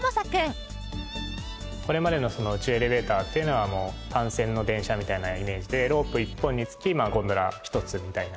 これまでの宇宙エレベーターっていうのは単線の電車みたいなイメージでロープ１本につきゴンドラ１つみたいな。